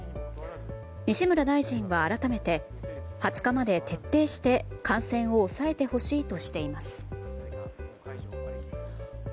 西村大臣は改めて２０日まで徹底して感染を抑えてほしいとしています。